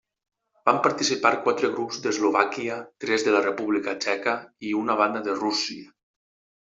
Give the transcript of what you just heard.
Van participar quatre grups d'Eslovàquia, tres de la República Txeca i una banda de Rússia.